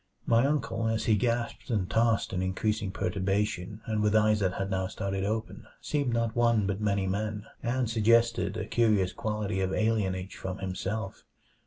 My uncle, as he gasped and tossed in increasing perturbation and with eyes that had now started open, seemed not one but many men, and suggested a curious quality of alienage from himself.